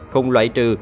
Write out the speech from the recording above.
không loại trừ